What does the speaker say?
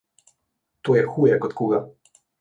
To je huje kot kuga.